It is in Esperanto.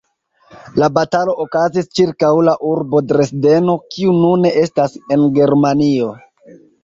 La batalo okazis ĉirkaŭ la urbo Dresdeno, kiu nune estas en Germanio.